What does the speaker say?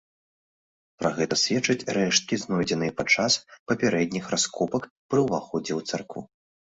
Пра гэта сведчаць рэшткі, знойдзеныя падчас папярэдніх раскопак пры ўваходзе ў царкву.